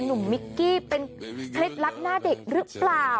มิกกี้เป็นเคล็ดลับหน้าเด็กหรือเปล่า